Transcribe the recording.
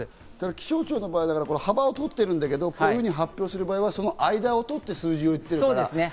気象庁の場合、幅を取ってるんだけど、こういうふうに発表する場合は間を取って数字を言ってる。